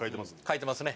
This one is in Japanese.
描いてますね。